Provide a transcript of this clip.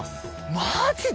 マジで！